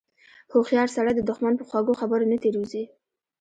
هوښیار سړی د دښمن په خوږو خبرو نه تیر وځي.